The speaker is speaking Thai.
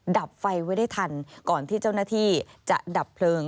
ดับไฟไว้ได้ทันก่อนที่เจ้าหน้าที่จะดับเพลิง